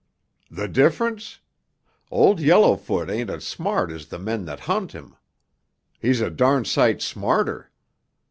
"The difference? Old Yellowfoot ain't as smart as the men that hunt him. He's a darn' sight smarter.